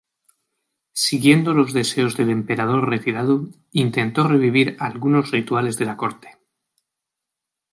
Siguiendo los deseos del emperador retirado, intentó revivir algunos rituales de la corte.